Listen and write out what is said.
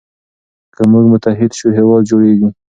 که موږ متحد سو هیواد جوړیږي.